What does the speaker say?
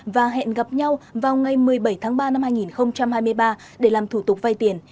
và hẹn gặp nhau vào ngày một mươi bảy tháng ba năm hai nghìn hai mươi ba để làm thủ tục vay tiền